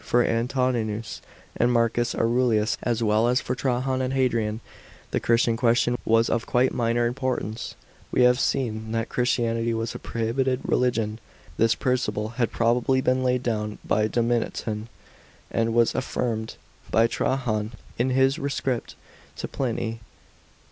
For Antoninus and Marcus Aurelius,as well <*s for Trajan and Hadrian, the Christian question was of quite minor importance. § 24. We have seen that Christianity was a prohibited religion. This principle had probably been laid down by Domitian and was affirmed by Trajan in his rescript to Pliny.